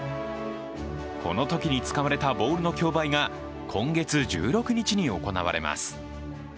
このときに使われたボールの競売が今月１６日に行われます。